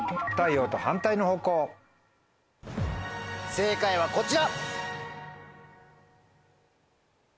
正解はこちら。